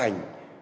các doanh nghiệp